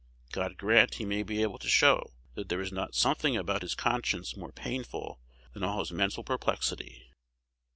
God grant he may be able to show that there is not something about his conscience more painful than all his mental perplexity.